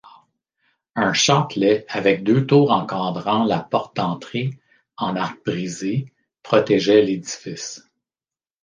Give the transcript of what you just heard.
Un châtelet avec deux tours encadrant la porte d'entrée en arc brisé protégeait l'édifice.